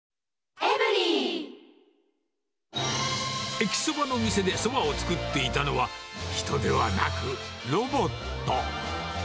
駅そばの店でそばを作っていたのは、人ではなく、ロボット。